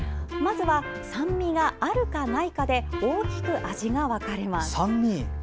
まずは酸味があるかないかで大きく味が分かれます。